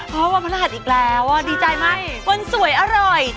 เพราะวันพระรหัสอีกแล้วดีใจมากวันสวยอร่อย